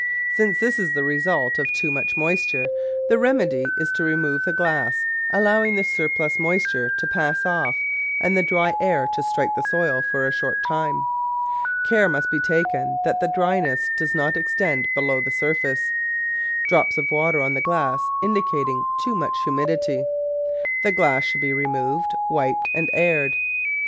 Since this is the result of too much moisture, the remedy is to remove the glass, allowing the surplus moisture to pass off and the dry air to strike the soil for a short time. Care must be taken that the dry ness does not extend below the surface. Drops of water on the glass indicate too much humidity. The glass should be removed, wiped, and aired.